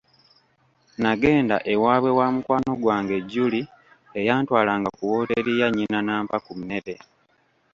Nagenda ewaabwe wa mukwano gwange Julie eyantwalanga ku wooteeri ya nnyina n'ampa ku mmere.